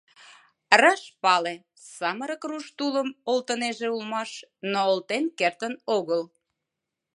Раш пале: самырык руш тулым олтынеже улмаш, но олтен кертын огыл.